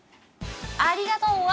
ありがとう。わ！